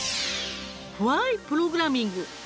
プログラミング」。